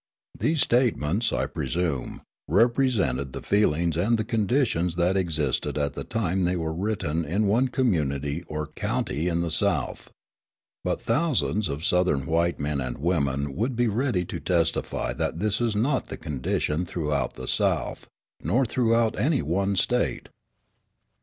These statements, I presume, represented the feelings and the conditions that existed at the time they were written in one community or county in the South. But thousands of Southern white men and women would be ready to testify that this is not the condition throughout the South, nor throughout any one State.